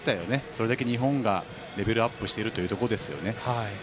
それだけ日本がレベルアップしているということですね。